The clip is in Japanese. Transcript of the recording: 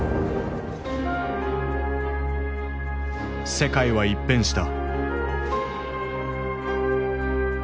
世界は一変した。